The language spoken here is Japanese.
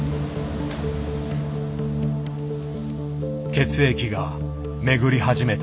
血液が巡り始めた。